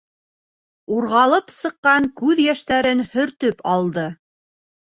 Урғылып сыҡҡан күҙ йәштәрен һөртөп алды.